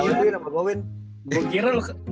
lu setia apa gue